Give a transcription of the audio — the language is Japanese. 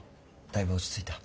だいぶ落ち着いた？